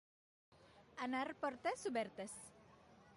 Anar portes obertes.